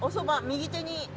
右手に。